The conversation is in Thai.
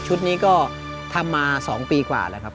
นี้ก็ทำมา๒ปีกว่าแล้วครับ